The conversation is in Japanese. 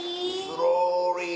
スローリー。